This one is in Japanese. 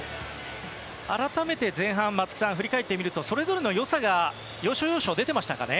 改めて前半松木さん、振り返ってみるとそれぞれの良さが要所要所で出てましたかね。